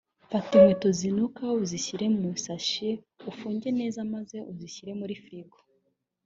fata ikweto zinuka uzishyire mu isashe ufunge neza maze uzishyire muri frigo